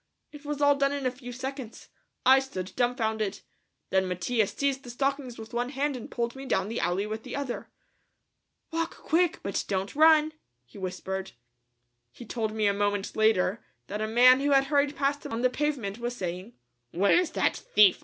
It was all done in a few seconds. I stood dumbfounded. Then Mattia seized the stockings with one hand and pulled me down the alley with the other. "Walk quick, but don't run," he whispered. He told me a moment later that a man who had hurried past him on the pavement was saying, "Where's that thief?